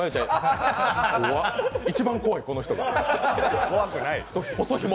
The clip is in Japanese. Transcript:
一番怖い、この人が。